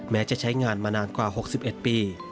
แม้จะใช้งานมานานกว่า๖๑ปี